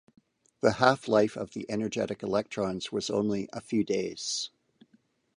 The half-life of the energetic electrons was only a few days.